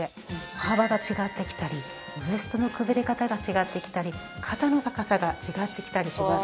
歩幅が違ってきたりウエストのくびれ方が違ってきたり肩の高さが違ってきたりします。